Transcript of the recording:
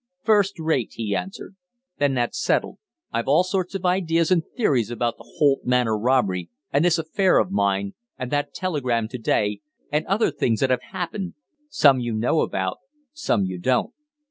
"First rate!" he answered. "Then that's settled. I've all sorts of ideas and theories about the Holt Manor robbery and this affair of mine, and that telegram to day, and other things that have happened some you know about, some you don't.